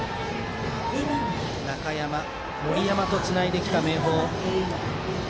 中山、森山とつないできた明豊。